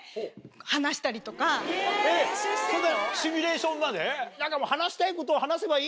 そんなシミュレーションまで？